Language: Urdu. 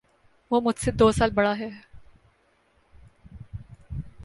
وہ مجھ سے دو سال بڑا ہے